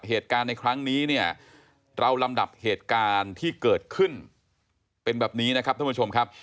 เหตุการณ์ในครั้งนี้เนี่ยเราลำดับเหตุการณ์ที่เกิดขึ้นเป็นแบบนี้นะครับท่านผู้ชมครับ